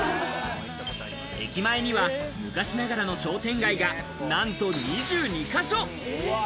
駅前には昔ながらの商店街がなんと２２か所。